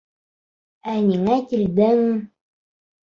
Ә ниңә килдең?